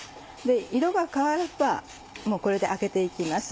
色が変わればもうこれであけて行きます。